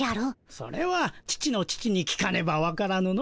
それは父の父に聞かねばわからぬの。